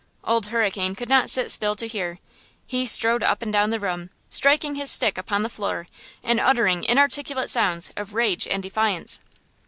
Old Hurricane could not sit still to hear. He strode up and down the room, striking his stick upon the floor, and uttering inarticulate sounds of rage and defiance.